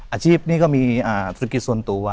อาชีพนี่ก็มีอ่าธุรกิจส่วนตัวนะครับ